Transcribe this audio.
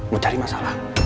mau cari masalah